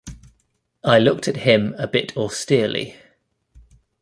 I looked at him a bit austerely.